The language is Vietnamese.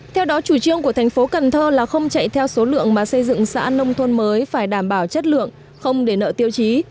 theo đó chủ trương của thành phố cần thơ là không chạy theo số lượng mà xây dựng xã nông thôn mới phải đảm bảo chất lượng không để nợ tiêu chí